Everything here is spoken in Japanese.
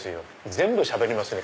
全部しゃべりますね。